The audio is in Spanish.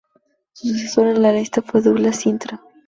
Su sucesor en la lista fue Douglas Cintra.